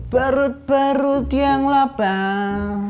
perut perut yang lapar